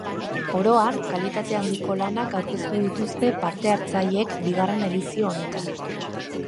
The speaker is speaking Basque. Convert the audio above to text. Oro har, kalitate handiko lanak aurkeztu dituzte parte-hartzaileek bigarren edizio honetan.